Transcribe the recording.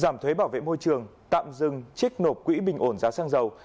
giảm thuế bảo vệ môi trường tạm dừng trích nộp quỹ bình ổn giá xăng dầu